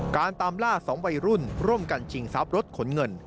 ตามล่า๒วัยรุ่นร่วมกันชิงทรัพย์รถขนเงิน